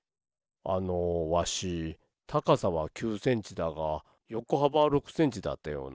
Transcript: あのわしたかさは９センチだがよこはばは６センチだったような。